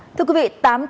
thưa quý vị